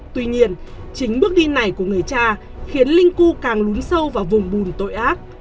tuy nhiên chính bước đi này của người cha khiến linh cu càng lún sâu vào vùng bùn tội ác